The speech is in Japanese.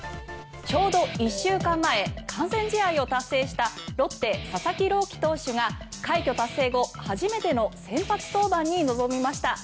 ちょうど１週間前完全試合を達成したロッテ、佐々木朗希投手が快挙達成後初めての先発登板に臨みました。